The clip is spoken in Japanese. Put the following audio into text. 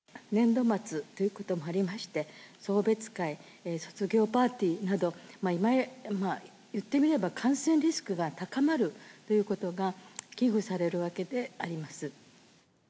年度末ということもありまして、送別会、卒業パーティーなど、いってみれば、感染リスクが高まるということが危惧されるわけであります。